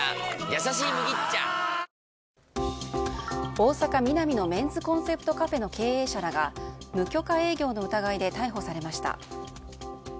大阪・ミナミのメンズコンセプトカフェの経営者らが無許可営業の疑いで逮捕されました。